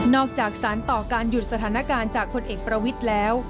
จากสารต่อการหยุดสถานการณ์จากคนเอกประวิทย์แล้ว